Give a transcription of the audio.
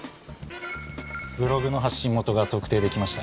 ブログの発信元が特定出来ました。